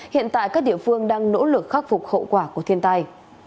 hiện tại các địa phương đang nỗ lực khắc phục hậu quả của thiên tai